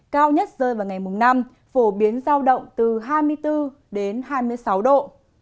cao nhất rơi vào ngày mùng năm phổ biến giao động từ hai mươi bốn đến hai mươi sáu độ